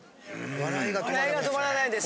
笑いが止まらないです。